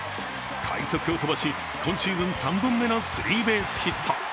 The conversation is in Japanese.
快足を飛ばし、今シーズン３度目のスリーベースヒット。